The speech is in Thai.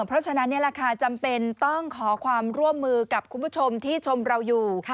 เพราะฉะนั้นนี่แหละค่ะจำเป็นต้องขอความร่วมมือกับคุณผู้ชมที่ชมเราอยู่